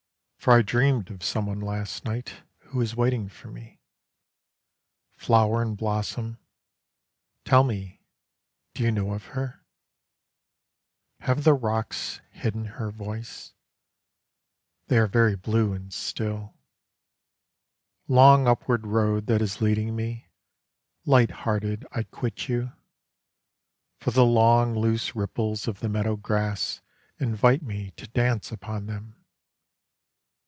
For I dreamed of someone last night Who is waiting for me. Flower and blossom, tell me, do you know of her? Have the rocks hidden her voice? They are very blue and still. Long upward road that is leading me, Light hearted I quit you, For the long loose ripples of the meadow grass Invite me to dance upon them.